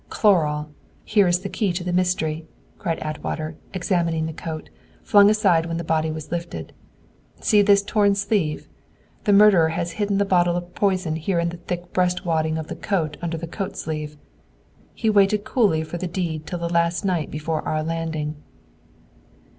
"Chloral! Here is the key to the mystery!" cried Atwater, examining the coat, flung aside when the body was lifted. "See this torn sleeve! The murderer had hidden the bottle of poison here in the thick breast wadding of the coat under the coat sleeve. He waited coolly for the deed till the last night before our landing."